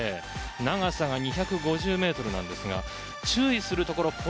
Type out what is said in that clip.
長さが２５０ｍなんですが注意するところ